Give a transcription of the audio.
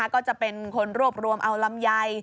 ก็จะเป็นคนรวบรวมเอาลำไย